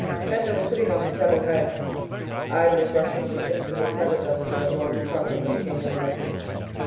Edna was sitting on the tabouret, idly brushing the tips of a feather duster along the carpet when he came in again.